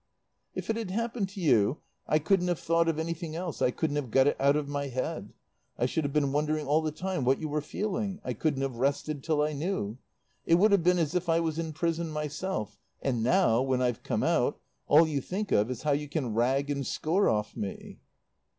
"If it had happened to you, I couldn't have thought of anything else, I couldn't have got it out of my head. I should have been wondering all the time what you were feeling; I couldn't have rested till I knew. It would have been as if I was in prison myself. And now, when I've come out, all you think of is how you can rag and score off me."